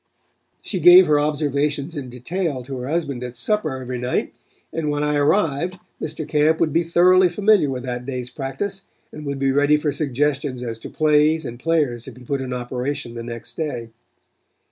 She gave her observations in detail to her husband at supper every night and when I arrived Mr. Camp would be thoroughly familiar with that day's practice and would be ready for suggestions as to plays and players to be put in operation the next day.